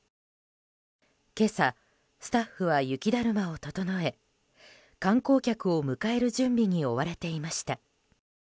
今朝、スタッフは雪だるまを整え観光客を迎える準備に追われていました。